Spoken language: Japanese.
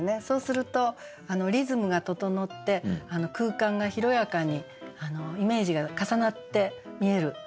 そうするとリズムが整って空間が広やかにイメージが重なって見える。